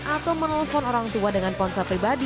atau menelpon orang tua dengan ponsel pribadi